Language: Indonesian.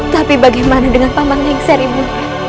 tapi bagaimana dengan paman lengser ibu